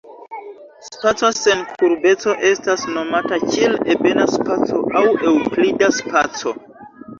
Spaco sen kurbeco estas nomata kiel "ebena spaco" aŭ eŭklida spaco.